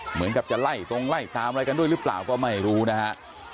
เหมือนกับจะไล่ตรงไล่ตามอะไรกันด้วยหรือเปล่าก็ไม่รู้นะฮะ